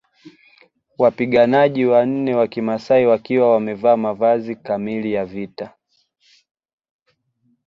Wapiganaji wanne wa kimasai wakiwa wamevaa mavazi kamili ya vita